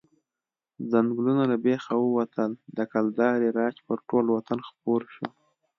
ځنګلونه له بېخه ووتل، د کلدارې راج پر ټول وطن خپور شو.